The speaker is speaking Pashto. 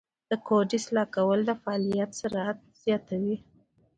د کوډ اصلاح کول د فعالیت سرعت زیاتوي.